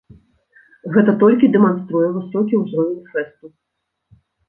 Гэта толькі дэманструе высокі ўзровень фэсту.